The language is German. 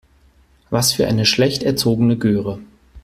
Was für eine schlecht erzogene Göre.